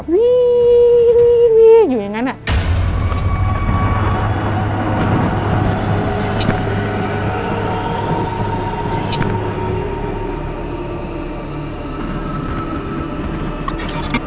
วีวีวีอยู่อย่างนั้นอะ